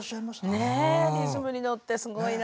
ねえリズムに乗ってすごいな。